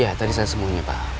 ya tadi saya semuanya pak